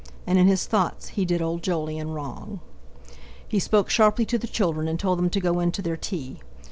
And in his thoughts he did old Jolyon wrong. He spoke sharply to the children, and told them to go in to their tea.